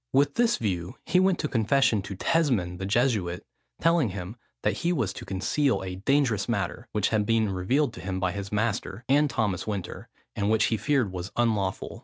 With this view, he went to confession to Tesmond the Jesuit, telling him that he was to conceal a dangerous matter, which had been revealed to him by his master, and Thomas Winter, and which he feared was unlawful.